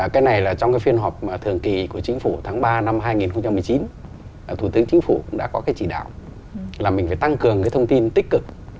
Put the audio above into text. cái này là trong phiên họp thường kỳ của chính phủ tháng ba năm hai nghìn một mươi chín thủ tướng chính phủ đã có chỉ đạo là mình phải tăng cường thông tin tích cực